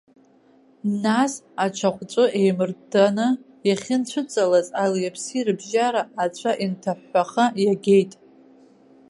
Нас, ачахәҵәы еимырттаны иахьынцәыҵалаз, али-аԥси рыбжьара ацәа инҭаҳәахаа иагеит.